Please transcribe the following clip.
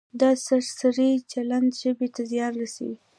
دا سرسري چلند ژبې ته زیان رسوي.